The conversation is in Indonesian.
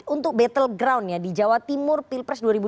untuk battle ground ya di jawa timur pilpres jawa timur